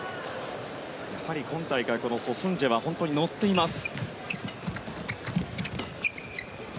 やはり今大会、ソ・スンジェが本当に乗っています。